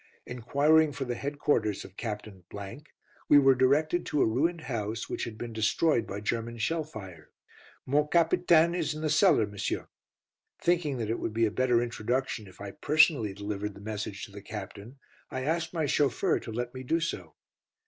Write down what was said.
Enquiring for the headquarters of Captain , we were directed to a ruined house which had been destroyed by German shell fire. "Mon Capitaine is in the cellar, monsieur." Thinking that it would be a better introduction if I personally delivered the message to the Captain, I asked my chauffeur to let me do so.